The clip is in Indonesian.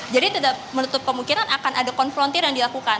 jadi tidak menutup kemungkinan akan ada konfrontir yang dilakukan